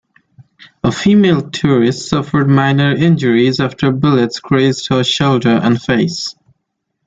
A female tourist suffered minor injuries after bullets grazed her shoulder and face.